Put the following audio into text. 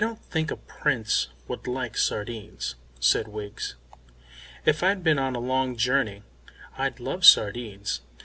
"I don't think a Prince would like sardines," said Wiggs. "If I'd been on a long journey, I'd love sardines.